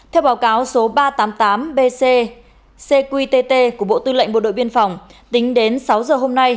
theo báo cáo số ba trăm tám mươi tám bc cqtt của bộ tư lệnh bộ đội biên phòng tính đến sáu giờ hôm nay